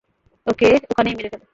ওকে ওখানেই মেরে ফেল।